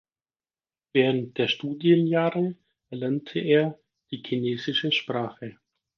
Während der Studienjahre erlernte er die chinesische Sprache.